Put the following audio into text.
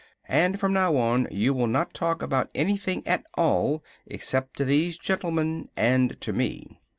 And from now on you will not talk about anything at all except to these gentlemen and to me."